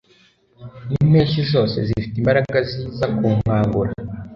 nimpeshyi zose zifite imbaraga ziza kunkangura